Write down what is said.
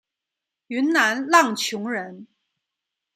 云南浪穹人。